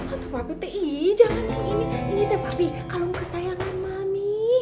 aduh papi teh ii jangan tuh ini ini teh papi kalung kesayangan mami